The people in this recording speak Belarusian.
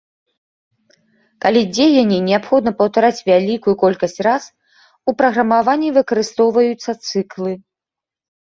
Калі дзеянне неабходна паўтараць вялікую колькасць раз, у праграмаванні выкарыстоўваюцца цыклы.